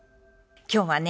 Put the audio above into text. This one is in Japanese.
今日はね